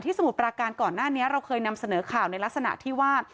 สมุทรปราการก่อนหน้านี้เราเคยนำเสนอข่าวในลักษณะที่ว่า